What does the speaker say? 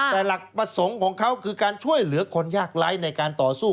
แต่หลักประสงค์ของเขาคือการช่วยเหลือคนยากไร้ในการต่อสู้